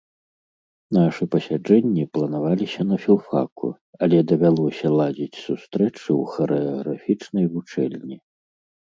Нашы пасяджэнні планаваліся на філфаку, але давялося ладзіць сустрэчы ў харэаграфічнай вучэльні.